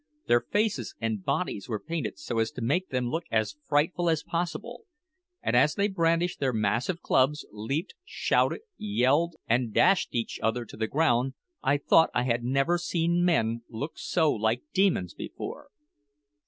Their faces and bodies were painted so as to make them look as frightful as possible; and as they brandished their massive clubs, leaped, shouted, yelled, and dashed each other to the ground, I thought I had never seen men look so like demons before.